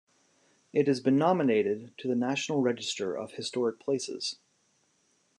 It has been nominated to the National Register of Historic Places.